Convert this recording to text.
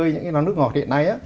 những cái lon nước ngọt hiện nay